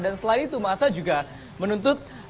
dan setelah itu masa juga menuntut